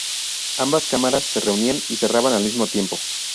Ambas cámaras se reunían y se cerraban al mismo tiempo.